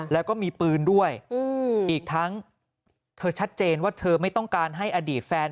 แล้วก็มีปืนด้วยอีกทั้งเธอชัดเจนว่าเธอไม่ต้องการให้อดีตแฟน